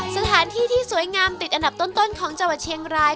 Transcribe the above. สถานที่ที่สวยงามติดอันดับต้นของจังหวัดเชียงราย